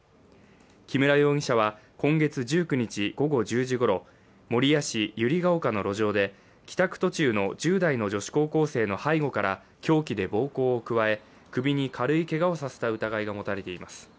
木村容疑者は今月１９日午後１０時ごろ、守谷市百合ケ丘の路上で、帰宅途中の１０代の女子高校生の背後から凶器で暴行を加え、首に軽いけがをさせた疑いが持たれています。